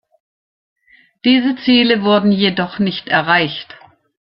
Diese Ziele wurden jedoch nicht erreicht.